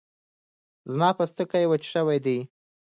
زما پوستکی وچ شوی دی